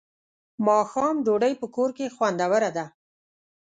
ماښام ډوډۍ په کور کې خوندوره ده.